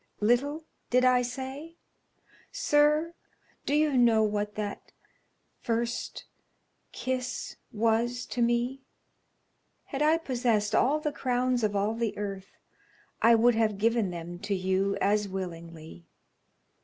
'Little,' did I say? Sir, do you know what that first kiss was to me? Had I possessed all the crowns of all the earth I would have given them to you as willingly.